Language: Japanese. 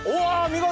見事！